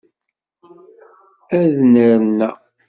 Ad nerna.